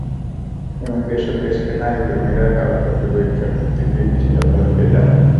Immigration ডেস্কের নারী কর্মীরা কাগজপত্র পরীক্ষা করতে গিয়ে কিছুটা ভড়কে যান।